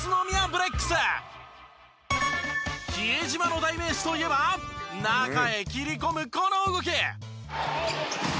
比江島の代名詞といえば中へ切り込むこの動き。